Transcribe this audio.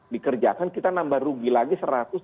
dikerjakan kita nambah rugi lagi satu ratus tujuh puluh